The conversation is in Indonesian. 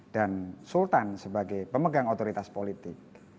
dan sultan sebagai pemegang otoritas politik